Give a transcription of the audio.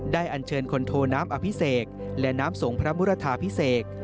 อันเชิญคนโทน้ำอภิเษกและน้ำสงพระมุรทาพิเศษ